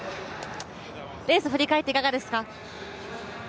レース振り返っていかがですか？